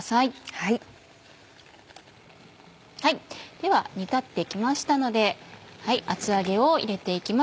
では煮立って来ましたので厚揚げを入れて行きます。